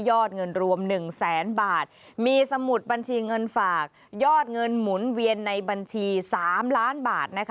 เงินรวม๑แสนบาทมีสมุดบัญชีเงินฝากยอดเงินหมุนเวียนในบัญชี๓ล้านบาท